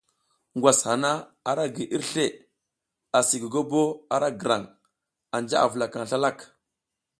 Ngwas hana ara gi irsle asi gogobo ara grang, anja i vulakang slalak.